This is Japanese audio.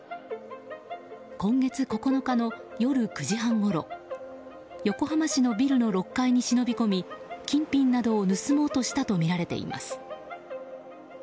今月９日の夜９時半ごろ横浜市のビルの６階に忍び込み金品などを盗もうとしたとみられています。